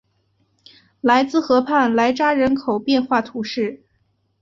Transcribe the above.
莱兹河畔莱扎人口变化图示